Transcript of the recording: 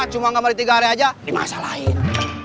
cuma ngamari tiga hari aja di masa lain